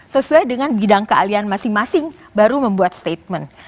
sesuai dengan bidang kealian masing masing baru membuat statement